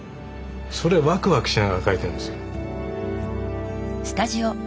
それをワクワクしながら描いてるんですよ。